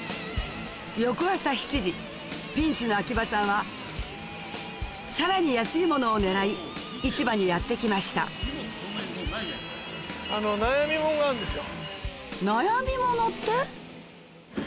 翌朝７時ピンチの秋葉さんはさらに安いものを狙い市場にやって来ました悩みものって？